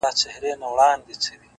چي تا په گلابي سترگو پرهار پکي جوړ کړ;